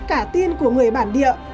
cả tin của người bản địa